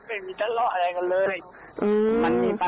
แค่นั้นเหรอ